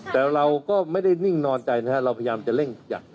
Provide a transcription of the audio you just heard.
แต่เราก็ไม่ได้นิ่งนอนใจนะฮะเราพยายามจะเร่งทุกอย่างนะครับ